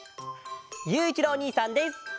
ゆういちろうおにいさんです。